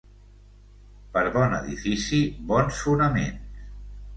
Per bon edifici, bons fonaments.